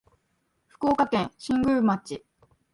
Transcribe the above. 福岡県新宮町